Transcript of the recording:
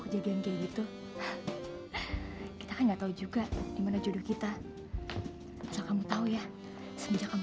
kejadian kayak gitu kita nggak tahu juga dimana jodoh kita kamu tahu ya sejak kamu